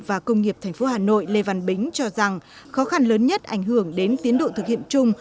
và công nghiệp tp hà nội lê văn bính cho rằng khó khăn lớn nhất ảnh hưởng đến tiến độ thực hiện chung